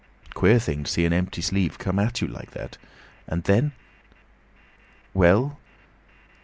Queer thing to see an empty sleeve come at you like that! And then—" "Well?"